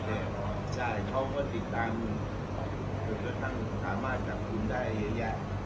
เพราะว่าติดตามมันก็สามารถจับคุณได้ใหญ่